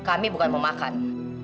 kami bukan mau makan